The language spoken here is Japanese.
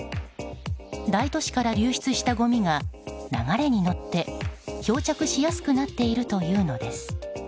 大都市から流出したごみが流れに乗って漂着しやすくなっているというのです。